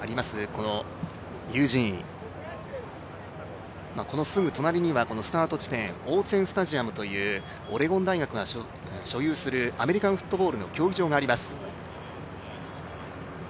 このユージーン、このすぐ隣にはスタート地点オーツェン・スタジアムというオレゴン大学が所有するアメリカンフットボールの競技場があります。